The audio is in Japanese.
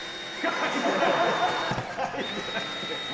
「はい？」じゃなくて。